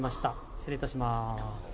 失礼いたします。